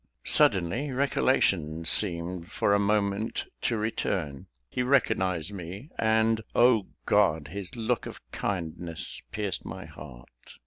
Suddenly, recollection seemed for a moment to return he recognised me, and, O God, his look of kindness pierced my heart.